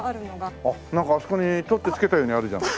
あっなんかあそこに取って付けたようにあるじゃない。